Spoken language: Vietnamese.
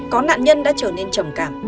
có nạn nhân đã trở nên trầm cảm